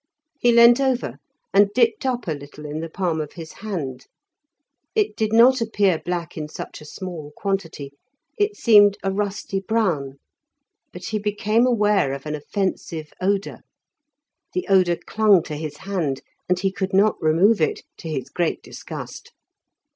He leant over, and dipped up a little in the palm of his hand; it did not appear black in such a small quantity, it seemed a rusty brown, but he became aware of an offensive odour. The odour clung to his hand, and he could not remove it, to his great disgust.